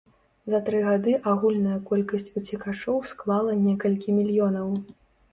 За тры гады агульная колькасць уцекачоў склала некалькі мільёнаў!